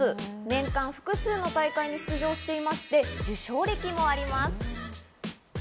年間複数の大会に出場していまして受賞歴もあります。